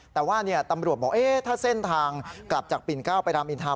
แต่ว่าตำรวจบอกถ้าเส้นทางกลับจากปิ่นเก้าไปรามอินทา